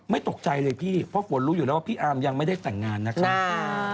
ตกใจเลยพี่เพราะฝนรู้อยู่แล้วว่าพี่อาร์มยังไม่ได้แต่งงานนะครับ